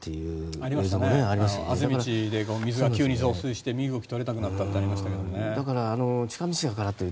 あぜ道で水が急に増水して身動き取れなくなったっていうことがありましたね。